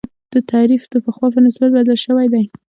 د حکومت تعریف د پخوا په نسبت بدل شوی دی.